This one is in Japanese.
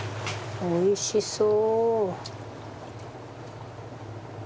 おいしそう。